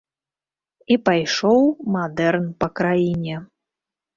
І пайшоў мадэрн па краіне.